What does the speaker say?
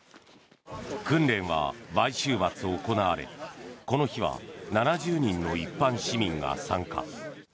訓練は毎週末行われ、この日は７０人の一般市民が参加。